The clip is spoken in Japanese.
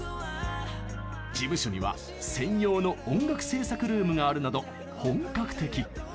事務所には専用の音楽制作ルームがあるなど本格的。